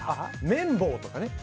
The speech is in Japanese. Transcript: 麺棒とかね。